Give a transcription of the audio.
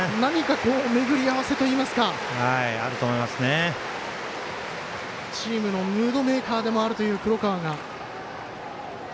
巡り合わせといいますかチームのムードメーカーでもある黒川が。